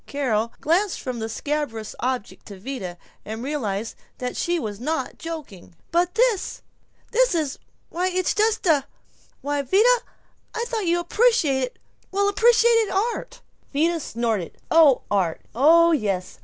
Carol glanced from the scabrous object to Vida, and realized that she was not joking. "But this is this is why, it's just a Why, Vida, I thought you appreciated well appreciated art." Vida snorted, "Oh. Art. Oh yes.